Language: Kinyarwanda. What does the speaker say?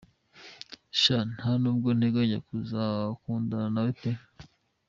Sha nta n’ubwo nteganya kuzakundana nawe pe.